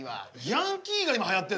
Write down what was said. ヤンキーが今はやってんの？